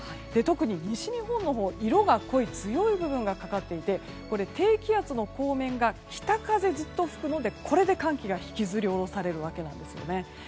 特に西日本のほう色が濃い強い部分がかかっていて低気圧の後面が北風ずっと吹くのでこれで寒気が引きずり降ろされるわけなんです。